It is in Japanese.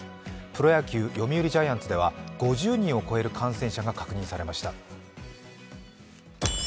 プロ野球、読売ジャイアンツでは５０人を超える感染者が確認されました。